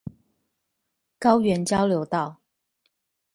高原交流道